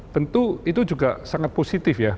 tentu itu juga sangat positif ya